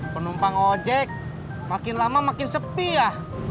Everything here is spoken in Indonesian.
penumpang ojek makin lama makin sepi ya